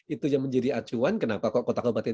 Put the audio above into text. itu yang menjadi acuan kenapa kok kota kabupaten